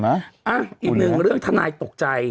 อีกหนึ่งเรื่องทนายตกใจ